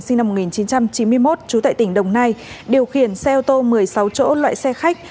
sinh năm một nghìn chín trăm chín mươi một trú tại tỉnh đồng nai điều khiển xe ô tô một mươi sáu chỗ loại xe khách